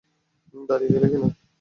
দাড়িঁয়ে গেলে কেন?